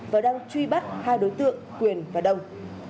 và truy bắt hai đối tượng quyền và đông